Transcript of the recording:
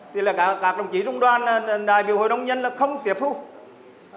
thì là các đồng chí rung đoan đại biểu hội đồng nhân là không tiếp xúc